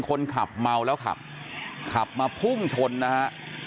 คนขับเมาแล้วขับขับมาพุ่งชนนะฮะ